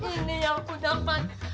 ini yang aku dapat